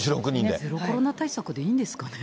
ゼロコロナ対策でいいんですかね。